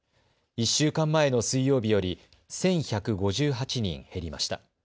１週間前の水曜日より１１５８人減りました。